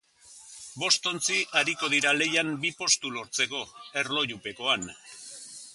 Bost ontzi ariko dira lehian bi postu lortzeko, erlojupekoan.